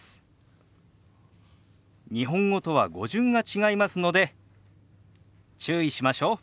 日本語とは語順が違いますので注意しましょう。